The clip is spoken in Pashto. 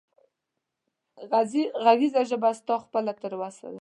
غږېږه ژبه ستا خپله تر اوسه ده